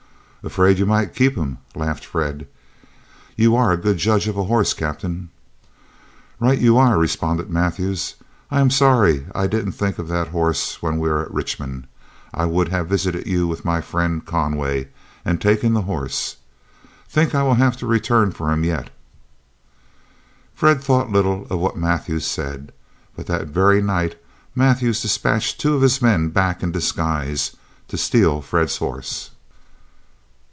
"Afraid you might keep him," laughed Fred; "you are a good judge of a horse, Captain." "Right you are," responded Mathews; "I am sorry I didn't think of that horse when we were at Richmond. I would have visited you with my friend Conway, and taken the horse. Think I will have to return for him yet." Fred thought little of what Mathews said, but that very night Mathews dispatched two of his men back in disguise to steal Fred's horse.